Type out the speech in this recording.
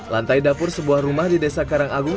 lantai dapur sebuah rumah di desa karangagung